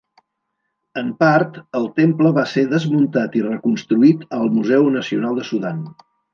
En part, el temple va ser desmuntat i reconstruït al Museu Nacional de Sudan.